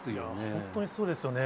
本当にそうですよね。